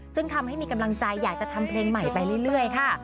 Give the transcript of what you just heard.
ซึ่งทำให้มีกำลังใจอยากจะทำเพลงใหม่ไปเรื่อยค่ะ